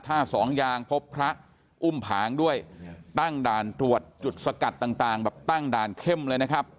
ท่าสองยางพบพระอุ้มผางด้วยตั้งด่านตรวจจุดสกัดต่างต่างแบบตั้งด่านเข้มเลยนะครับ